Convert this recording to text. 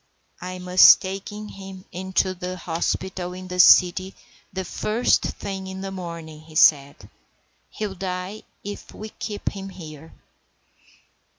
"I must take him in to the hospital in the city the first thing in the morning," said he. "He'll die if we keep him here."